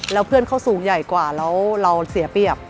แล้วเพื่อนเขาสูงใหญ่กว่าแล้วเราเสียเปรียบ